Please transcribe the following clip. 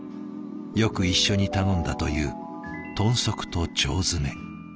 よく一緒に頼んだという豚足と腸詰め。